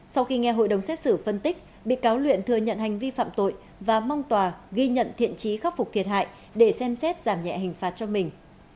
sau khi nghe hội đồng xét xử phân tích bị cáo luyện thừa nhận hành vi phạm tội và mong tòa ghi nhận thiện trí khắc phục thiệt hại để xem xét giảm nhẹ hình phạt cho mình